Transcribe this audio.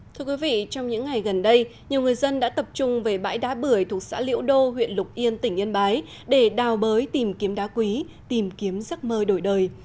thưa quý vị trong những ngày gần đây nhiều người dân đã tập trung về bãi đá bưởi thuộc xã liễu đô huyện lục yên tỉnh yên bái để đào bới tìm kiếm đá quý tìm kiếm giấc mơ đổi đời